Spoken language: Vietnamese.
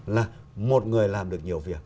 là một người làm được nhiều việc